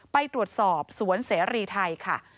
ไปตรวจสอบสวนเสรีไทยค่ะ